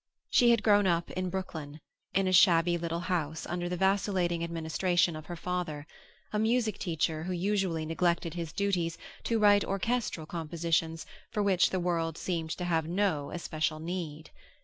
She had grown up in Brooklyn, in a shabby little house under the vacillating administration of her father, a music teacher who usually neglected his duties to write orchestral compositions for which the world seemed to have no especial need.